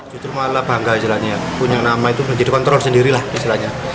jujur malah bangga istilahnya punya nama itu menjadi kontrol sendirilah istilahnya